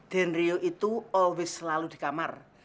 dan rio itu selalu di kamar